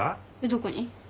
どこに？